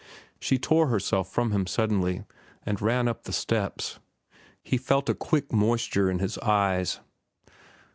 She tore herself from him suddenly and ran up the steps. He felt a quick moisture in his eyes.